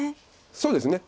そうですね。